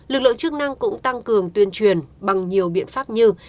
lực lượng chức năng cũng tăng cường tuyên truyền bằng nhiều biện pháp như